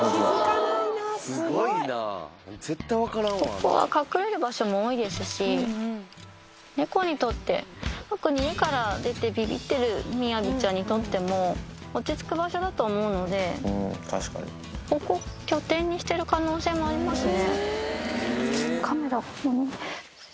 ここは隠れる場所も多いですし、猫にとって、特に家から出てビビってるみやびちゃんにとっても、落ち着く場所だと思うので、ここを拠点にしている可能性もありますね。